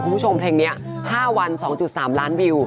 คุณผู้ชมเพลงนี้๕วัน๒๓ล้านวิว